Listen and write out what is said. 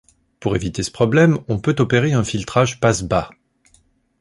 Pour éviter ce problème, on peut opérer un filtrage passe bas.